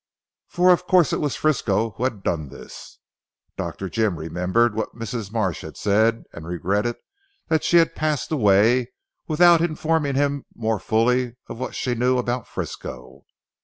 For of course it was Frisco who had done this. Dr. Jim remembered what Mrs. Marsh had said and regretted that she had passed away without informing him more fully of what she knew about Frisco.